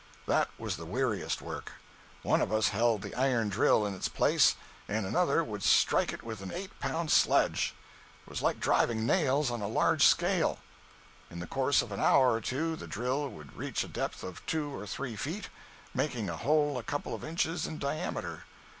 That was the weariest work! One of us held the iron drill in its place and another would strike with an eight pound sledge—it was like driving nails on a large scale. In the course of an hour or two the drill would reach a depth of two or three feet, making a hole a couple of inches in diameter.